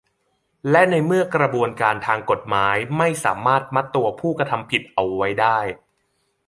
และในเมื่อกระบวนการทางกฎหมายไม่สามารถมัดตัวผู้กระทำผิดเอาไว้ได้